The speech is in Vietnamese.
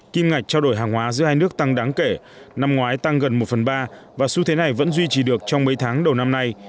kim ngạch trao đổi hàng hóa giữa hai nước tăng đáng kể năm ngoái tăng gần một phần ba và xu thế này vẫn duy trì được trong mấy tháng đầu năm nay